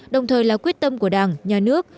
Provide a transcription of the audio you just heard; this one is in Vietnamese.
đồng thời là quyết tâm của đảng nhà nước